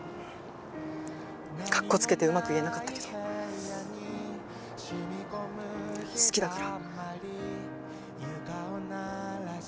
かっこつけてうまく言えなかったけど好きだから。